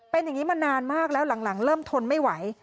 เป็นอย่างนี้มานานมากแล้วหลังเริ่มทนไม่ไหว